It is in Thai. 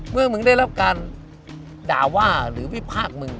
เมื่อมึงได้รับการด่าว่าหรือวิพากษ์มึง